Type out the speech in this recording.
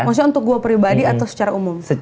maksudnya untuk gue pribadi atau secara umum